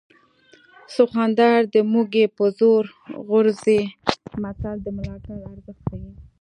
سخوندر د موږي په زور غورځي متل د ملاتړ ارزښت ښيي